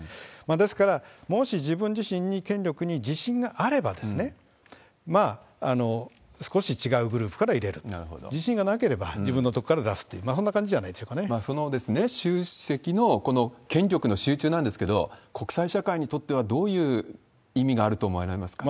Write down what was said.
ですから、もし自分自身に、権力に自信があれば、少し違うグループから入れると、自信がなければ自分のところから出すっていう、そんな感じじゃなその習主席の権力の集中なんですけれども、国際社会にとってはどういう意味があると思われますか？